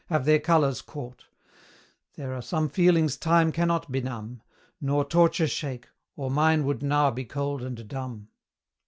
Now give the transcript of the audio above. have their colours caught: There are some feelings Time cannot benumb, Nor torture shake, or mine would now be cold and dumb.